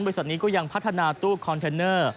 บริษัทนี้ก็ยังพัฒนาตู้คอนเทนเนอร์